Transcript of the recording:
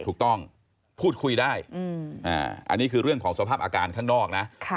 ถูกต้องพูดคุยได้อันนี้คือเรื่องของสภาพอาการข้างนอกนะ